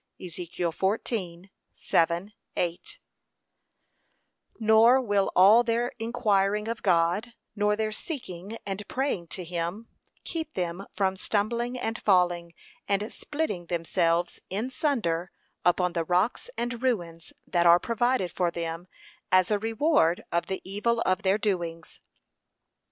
(Ezek. 14:7, 8) nor will all their inquiring of God, nor their seeking and praying to him, keep them from stumbling and falling, and splitting themselves in sunder upon the rocks and ruins that are provided for them, as a reward of the evil of their doings.